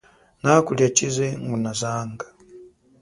Na kulia chize ngunazanga.